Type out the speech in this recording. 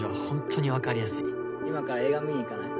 今から映画見に行かない？